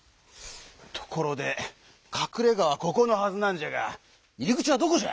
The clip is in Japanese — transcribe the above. ところでかくれがはここのはずなんじゃが入り口はどこじゃ？